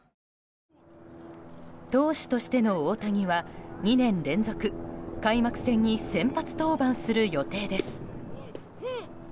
投手としての大谷は２年連続、開幕戦に先発登板する予定です。